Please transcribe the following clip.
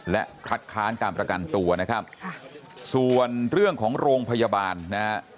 และคัดค้านการประกันตัวนะครับค่ะส่วนเรื่องของโรงพยาบาลนะฮะ